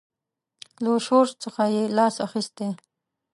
له شورش څخه یې لاس اخیستی.